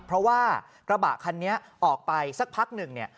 เพราะว่ากระบะคันนี้ออกไปสักพักหนึ่งเนี่ย